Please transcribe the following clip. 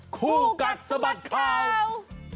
คู่กัดสะบัดข่าว